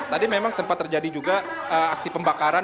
tadi memang sempat terjadi juga aksi pembakaran